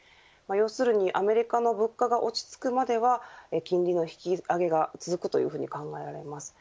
要するにアメリカの物価が落ち着くまでは金利の引き上げが続くというふうに考えられます。